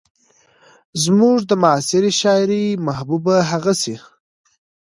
زموږ د معاصرې شاعرۍ محبوبه هغسې